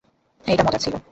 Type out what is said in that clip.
এটা মজার ছিল।